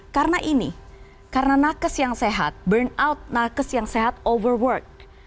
karena ini karena tenaga kesehatan yang sehat burn out tenaga kesehatan yang sehat berusaha